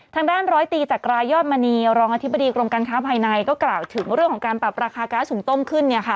ร้อยตีจากรายอดมณีรองอธิบดีกรมการค้าภายในก็กล่าวถึงเรื่องของการปรับราคาก๊าซหุงต้มขึ้น